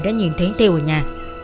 đã nhìn thấy thêu ở nhà